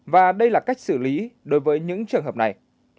và đây là cách xử lý đối với những trường hợp này